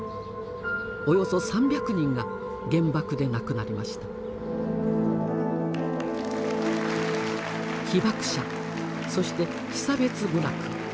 およそ３００人が原爆で亡くなりました被爆者そして被差別部落。